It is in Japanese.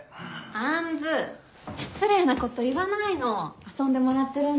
杏失礼なこと言わないの遊んでもらってるんだから。